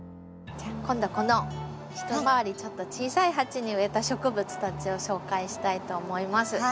今度はこの一回り小さい鉢に植えた植物たちを紹介したいと思います。